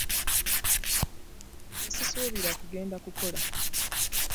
Nze sisuubira kugenda kukola.